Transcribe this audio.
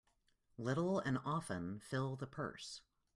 Little and often fill the purse.